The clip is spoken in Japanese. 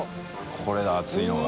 これだ熱いのは。